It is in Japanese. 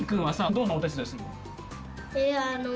どんなお手伝いするの？